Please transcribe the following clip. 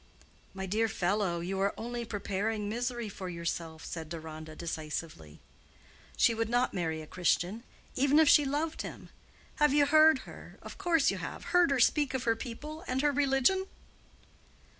"My dear fellow, you are only preparing misery for yourself," said Deronda, decisively. "She would not marry a Christian, even if she loved him. Have you heard her—of course you have—heard her speak of her people and her religion?"